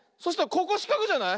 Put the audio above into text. ここしかくじゃない？